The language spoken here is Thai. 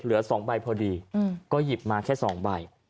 เหลือสองใบพอดีอืมก็หยิบมาแค่สองใบ